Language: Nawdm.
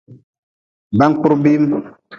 Bankpurbim.